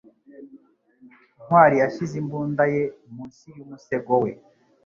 Ntwali yashyize imbunda ye munsi y umusego we.